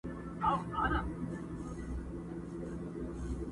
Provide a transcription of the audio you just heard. اوس د میني ځای نیولی سپین او سرو دی،